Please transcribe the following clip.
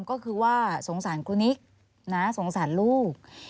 ก็คือว่าสงสารครูนิกนะสงสารลูก